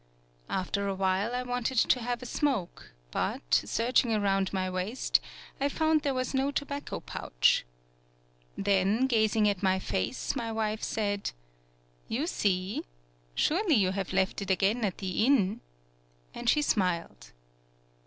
After a while I wanted to have a smoke, but, searching around my waist, I found there was no tobacco 140 TSUGARU STRAIT pouch. Then, gazing at my face, my wife said: "You see? Surely you have left it again at the inn," and she smiled.